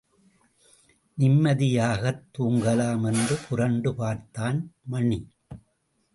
நிம்மதியாகத் தூங்கலாம் என்று புரண்டு பார்த்தான் மணி.